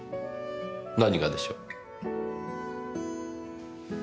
何がでしょう？